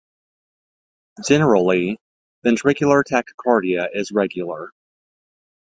Generally, ventricular tachycardia is regular.